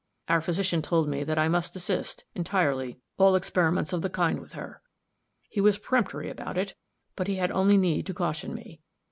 Our physician told me that I must desist, entirely, all experiments of the kind with her. He was peremptory about it, but he had only need to caution me.